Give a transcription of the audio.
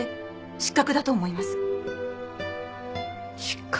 失格？